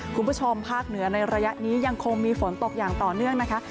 ภาคเหนือในระยะนี้ยังคงมีฝนตกอย่างต่อเนื่องนะคะ